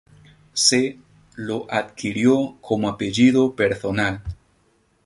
C.. lo adquirió como apellido personal.